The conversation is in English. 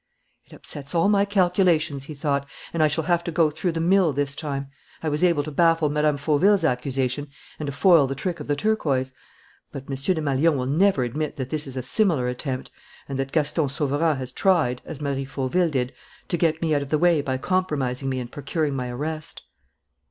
"It upsets all my calculations," he thought, "and I shall have to go through the mill this time. I was able to baffle Mme. Fauville's accusation and to foil the trick of the turquoise. But M. Desmalions will never admit that this is a similar attempt and that Gaston Sauverand has tried, as Marie Fauville did, to get me out of the way by compromising me and procuring my arrest."